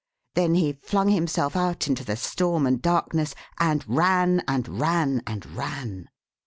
Then he flung himself out into the storm and darkness and ran and ran and ran.